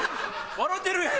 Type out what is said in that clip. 笑うてるやん。